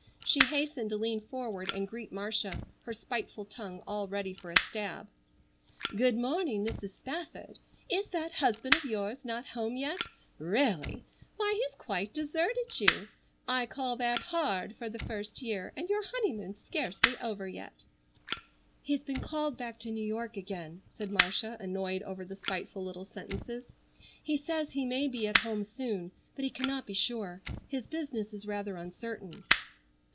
She hastened to lean forward and greet Marcia, her spiteful tongue all ready for a stab. "Good morning, Mrs. Spafford. Is that husband of yours not home yet? Really! Why, he's quite deserted you. I call that hard for the first year, and your honeymoon scarcely over yet." "He's been called back to New York again," said Marcia annoyed over the spiteful little sentences. "He says he may be at home soon, but he cannot be sure. His business is rather uncertain."